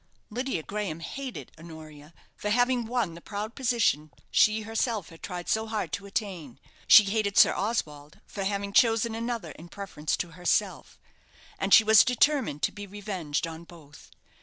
Lydia Graham hated Honoria for having won the proud position she herself had tried so hard to attain; she hated Sir Oswald for having chosen another in preference to herself; and she was determined to be revenged on both.